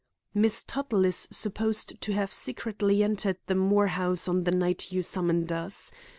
"Miss Tuttle is supposed to have secretly entered the Moore house on the night you summoned us.